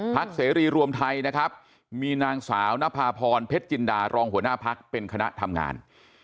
เสรีรวมไทยนะครับมีนางสาวนภาพรเพชรจินดารองหัวหน้าพักเป็นคณะทำงาน